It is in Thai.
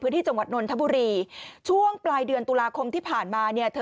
ที่จังหวัดนนทบุรีช่วงปลายเดือนตุลาคมที่ผ่านมาเนี่ยเธอ